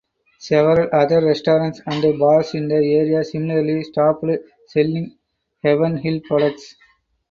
Several other restaurants and bars in the area similarly stopped selling Heaven Hill products.